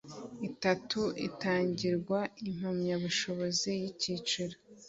itatu itangirwa impamyabushobozi y icyiciro